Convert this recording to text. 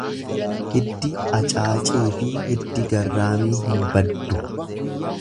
Hiddi acaacii fi hiddii garraamii hin baddu.